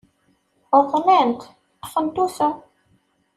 Uḍnent, ṭṭfent usu.